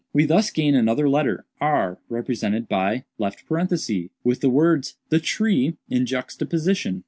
We thus gain another letter, r, represented by (, with the words 'the tree' in juxtaposition.